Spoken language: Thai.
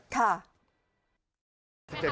ถ้าดูหน่อย